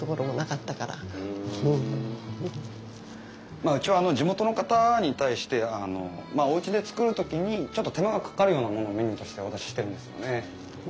まあうちは地元の方に対しておうちで作る時にちょっと手間がかかるようなものをメニューとしてお出ししてるんですよね。